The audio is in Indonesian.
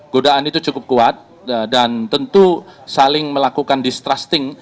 godaan itu cukup kuat dan tentu saling melakukan distrusting